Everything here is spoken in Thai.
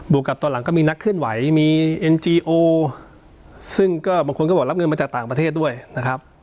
วกกับตอนหลังก็มีนักเคลื่อนไหวมีเอ็นจีโอซึ่งก็บางคนก็บอกรับเงินมาจากต่างประเทศด้วยนะครับ